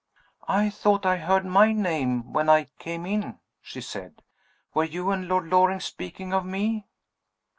"I thought I heard my name when I came in," she said. "Were you and Lord Loring speaking of me?"